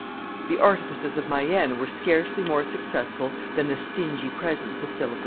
The artifices of Mayenne were scarcely more successful than the stingy presents of Philip II.